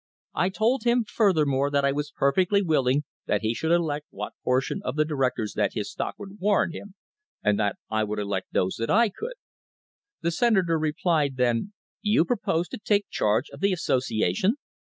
I told him, furthermore, that I was perfectly willing that he should elect what portion of the directors that his stock would warrant him, and I would elect those that I could. The Senator replied then: 'You propose to take charge of the association